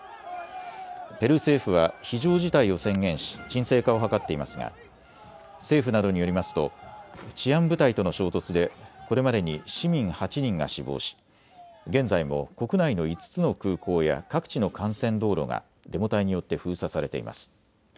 ペルー政府は非常事態を宣言し沈静化を図っていますが政府などによりますと治安部隊との衝突でこれまでに市民８人が死亡し現在も国内の５つの空港や各地の幹線道路がデモ隊によって封鎖されています。